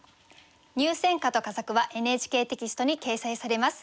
入選歌と佳作はＮＨＫテキストに掲載されます。